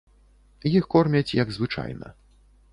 Іх кормяць, як звычайна.